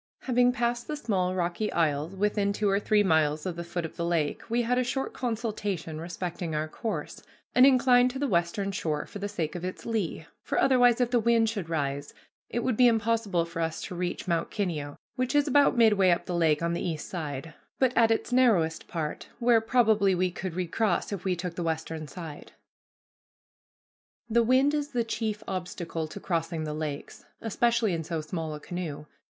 Having passed the small rocky isles within two or three miles of the foot of the lake, we had a short consultation respecting our course, and inclined to the western shore for the sake of its lee; for otherwise, if the wind should rise, it would be impossible for us to reach Mount Kineo, which is about midway up the lake on the east side, but at its narrowest part, where probably we could recross if we took the western side. The wind is the chief obstacle to crossing the lakes, especially in so small a canoe.